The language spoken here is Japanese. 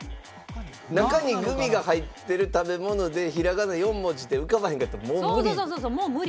中にグミが入ってる食べ物でひらがな４文字で浮かばへんかったらもう無理。